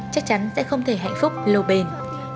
chắc chắn sẽ không thể hạnh phúc lâu bền